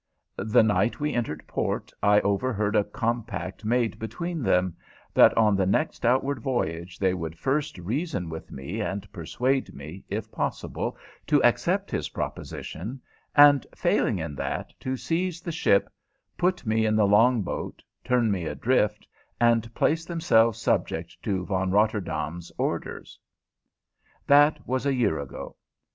The night we entered port I overheard a compact made between them, that on the next outward voyage they would first reason with me and persuade me, if possible, to accept his proposition, and, failing in that, to seize the ship, put me in the long boat, turn me adrift, and place themselves subject to Von Rotterdaam's orders. That was a year ago.